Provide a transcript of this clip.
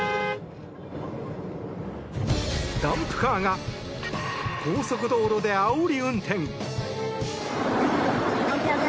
ダンプカーが高速道路であおり運転。